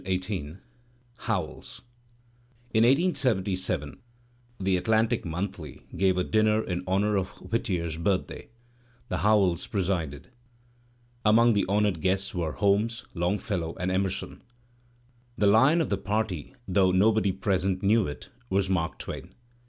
Digitized by Google I CHAPTER XIV HOWELLS In 1877 the AHatUic Monthly gave a dinner in honour of Whittier's birthday. Mr. Howells presided. Among the honoured guests were Hohnes> Longfellow, and Emerson. The lion of the party, though nobody present knew it, was Mark Twain.